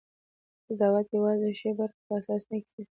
قضاوت یوازې د ښې برخې په اساس نه کېږي.